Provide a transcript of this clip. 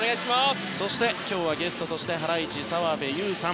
そして今日はゲストとしてハライチの澤部佑さん。